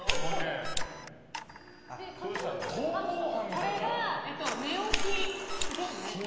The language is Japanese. これが、寝起きですね。